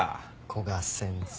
古賀先生。